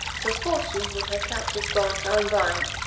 Till Fortune would her captive bonds unbynde.